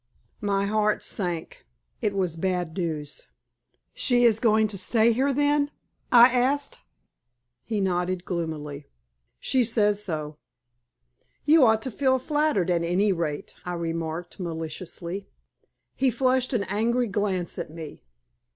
My heart sank. It was bad news. "She is going to stay here, then?" I asked. He nodded gloomily. "She says so." "You ought to feel flattered, at any rate," I remarked, maliciously. He flushed an angry glance at me.